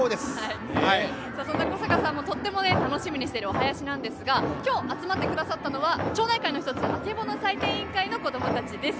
そんな古坂さんもとっても楽しみにしているお囃子なんですが今日集まってくれたのは町内会の１つあけぼの祭典委員会の皆さんです。